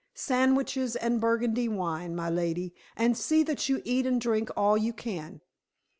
Sandwiches and burgundy wine, my lady, and see that you eat and drink all you can.